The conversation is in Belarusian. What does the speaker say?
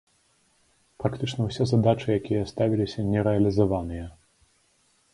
Практычна ўсе задачы, якія ставіліся, не рэалізаваныя.